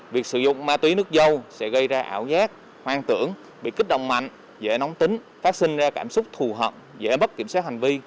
việc sử dụng ma túy nước dâu sẽ gây ra ảo giác hoang tưởng bị kích động mạnh dễ nóng tính phát sinh ra cảm xúc thù hận dễ bất kiểm soát hành vi